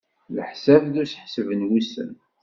Leḥsab d useḥseb n wussan.